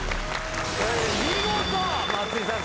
見事松井さん